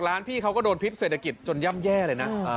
พี่เขาก็โดนพิษเศรษฐกิจจนย่ำแย่เลยนะ